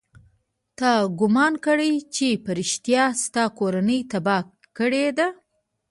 تا ګومان کړى و چې په رښتيا يې ستا کورنۍ تباه کړې ده.